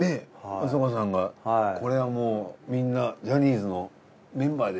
松岡さんがこれはもうみんなジャニーズのメンバーで。